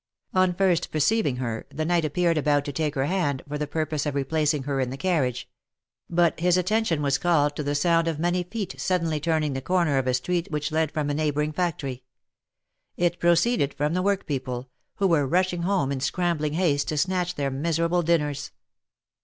On first perceiving her, the knight appeared about to take her hand, for the purpose of replacing her in the carriage ; but his attention was called to the sound of many feet suddenly turning the corner of a street which led from a neighbouring factory. It proceeded from the workpeople, who were rushing home in scrambling haste to snatch their miserable dinners.